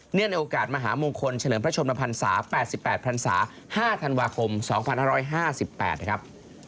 ในโอกาสมหามงคลเฉลิมพระชนมพันศา๘๘พันศา๕ธันวาคม๒๕๕๘นะครับ